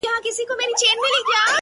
• ډبرینه یې قلا لیري له ښاره,